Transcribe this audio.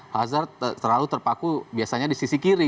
hazard terlalu terpaku biasanya di sisi kiri